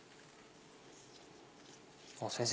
先生